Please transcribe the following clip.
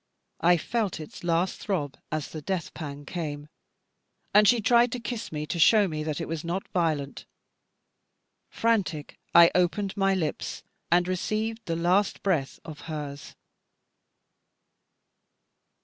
I felt its last throb, as the death pang came, and she tried to kiss me to show that it was not violent. Frantic, I opened my lips, and received the last breath of hers.